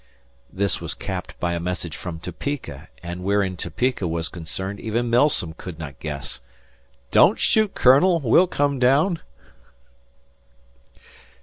This was capped by a message from Topeka (and wherein Topeka was concerned even Milsom could not guess): "Don't shoot, Colonel. We'll come down."